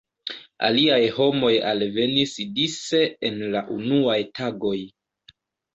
Aliaj homoj alvenis dise en la unuaj tagoj.